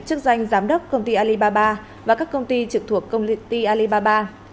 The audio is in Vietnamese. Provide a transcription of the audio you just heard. chức danh giám đốc công ty alibaba và các công ty trực thuộc công ty ty alibaba